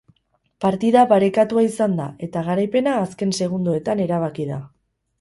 Partida parekatua izan da eta garaipena azken segundoetan erabaki da.